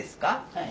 はい。